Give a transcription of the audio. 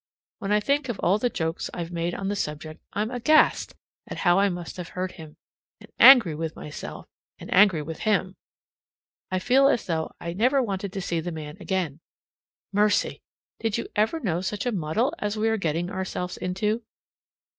When I think of all the jokes I've made on the subject, I'm aghast at how I must have hurt him, and angry with myself and angry with him. I feel as though I never wanted to see the man again. Mercy! did you ever know such a muddle as we are getting ourselves into?